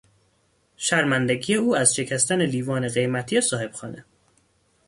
شرمندگی او از شکستن لیوان قیمتی صاحب خانه